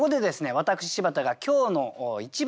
私柴田が今日の一番の学び